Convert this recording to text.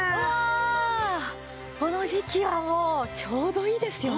この時季はもうちょうどいいですよね。